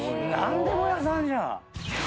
何でも屋さんじゃん！